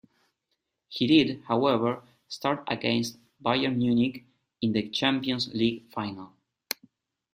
He did, however, start against Bayern Munich in the Champions League final.